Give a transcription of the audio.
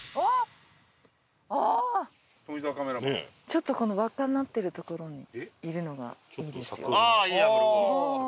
ちょっとこの輪っかになってる所にいるのがいいですよ。